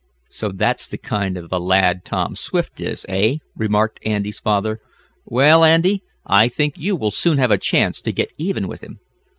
"So that's the kind of a lad Tom Swift is, eh?" remarked Andy's father. "Well, Andy, I think you will soon have a chance to get even with him."